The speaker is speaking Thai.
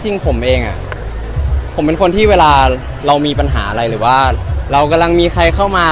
จริงผมเองผมเป็นคนที่เวลาเรามีปัญหาอะไรหรือว่าเรากำลังมีใครเข้ามา